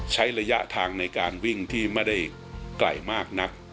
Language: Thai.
ใช้ระยะทางในการวิ่งที่ไม่ได้ไกลมากนัก